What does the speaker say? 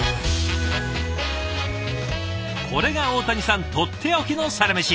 これが大谷さんとっておきのサラメシ。